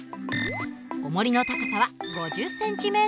おもりの高さは５０ｃｍ。